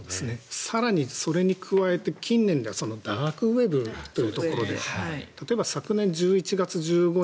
更にそれに加えて近年ではダークウェブというところで例えば昨年１１月１５日